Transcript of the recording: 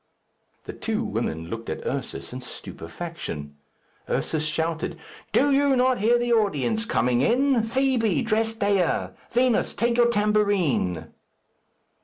The two women looked at Ursus in stupefaction. Ursus shouted, "Do you not hear the audience coming in? Fibi, dress Dea. Vinos, take your tambourine."